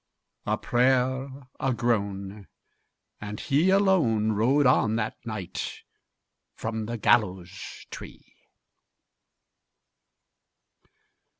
A prayer, a groan, and he alone Rode on that night from the gallows tree.